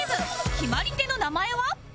決まり手の名前は？